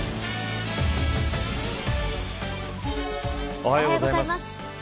おはようございます。